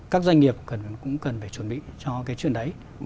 các doanh nghiệp cũng cần phải chuẩn bị cho cái chuyện đấy